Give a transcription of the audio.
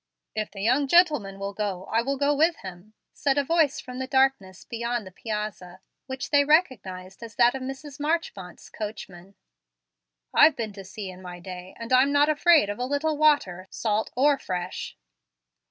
"If the young gentleman will go, I will go with him," said a voice from the darkness beyond the piazza, which they recognized as that of Mrs. Marchmont's coachman. "I've been to sea in my day, and am not afraid of a little water, salt or fresh."